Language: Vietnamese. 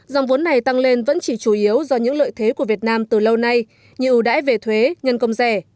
dòng vốn này tăng lên vẫn chỉ chủ yếu do những lợi thế của việt nam từ lâu nay như ưu đãi về thuế nhân công rẻ